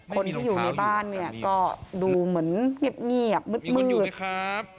คนที่อยู่ในบ้านเนี่ยก็ดูเหมือนเงียบมืดครับ